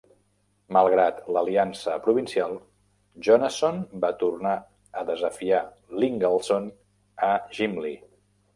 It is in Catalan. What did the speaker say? Malgrat l"aliança provincial, Jonasson va tornar a desafiar l"Ingaldson a Gimli.